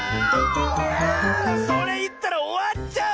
あそれいったらおわっちゃう！